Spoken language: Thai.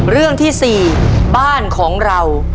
เรื่องที่๔บ้านของเรา